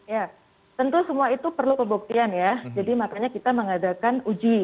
ya tentu semua itu perlu pembuktian ya jadi makanya kita mengadakan uji